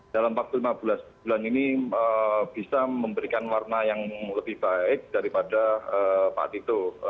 dalam waktu lima belas bulan ini bisa memberikan warna yang lebih baik daripada pak tito